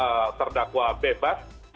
pasti menginginkan serdakwa bebas